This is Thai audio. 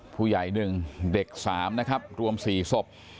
ผู้ใหญ่หนึ่งเด็กสามนะครับรวมสี่ศพ